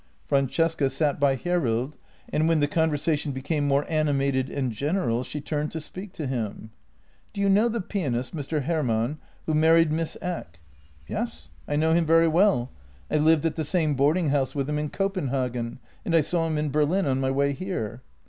Francesca sat by Hjerrild, and when the conversation became more animated and general she turned to speak to him. " Do you know the pianist, Mr. Hermann, who married Miss Eck?" " Yes; I know him very well. I lived at the same boarding house with him in Copenhagen, and I saw him in Berlin on my way here."